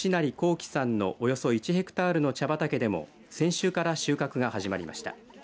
輝さんのおよそ１ヘクタールの茶畑でも先週から収穫が始まりました。